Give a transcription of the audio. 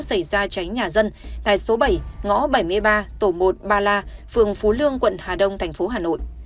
xảy ra cháy nhà dân tại số bảy ngõ bảy mươi ba tổ một ba la phường phú lương quận hà đông thành phố hà nội